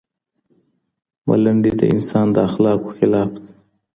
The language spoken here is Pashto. ملنډي د انسان د اخلاقو خلاف دي.